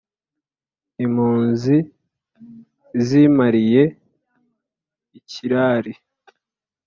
Impunzi zimpariye ikirari